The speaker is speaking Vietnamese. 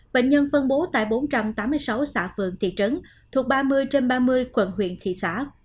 bệnh nhân phân bố tại bốn trăm tám mươi sáu xã phượng thị trấn thuộc ba mươi trên ba mươi quận huyện thị xã